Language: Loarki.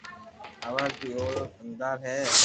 آواز بي او رو دمدار ھي